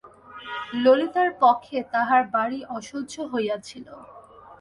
ললিতার পক্ষে তাহার বাড়ি অসহ্য হইয়াছিল।